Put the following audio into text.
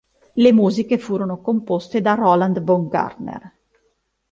Le musiche furono composte da Roland Baumgartner.